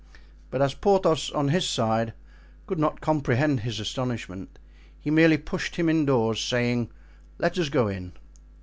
But as Porthos on his side could not comprehend his astonishment, he merely pushed him indoors, saying, "Let us go in."